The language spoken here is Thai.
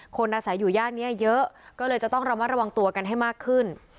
คนอาศัยอยู่ย่านนี้เยอะก็เลยจะต้องระมัดระวังตัวกันให้มากขึ้น